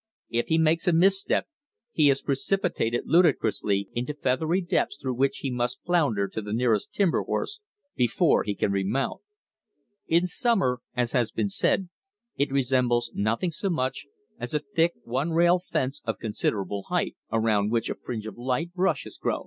If he makes a misstep, he is precipitated ludicrously into feathery depths through which he must flounder to the nearest timber horse before he can remount. In summer, as has been said, it resembles nothing so much as a thick one rail fence of considerable height, around which a fringe of light brush has grown.